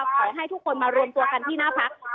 ขอให้ทุกคนมารวมตัวกันที่หน้าพัก